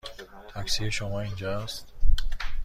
تاکسی شما اینجا است.